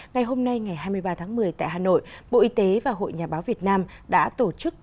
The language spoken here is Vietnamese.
ngày hôm nay ngày hai mươi ba tháng một mươi tại hà nội bộ y tế và hội nhà báo việt nam đã tổ chức